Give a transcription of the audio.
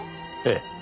ええ。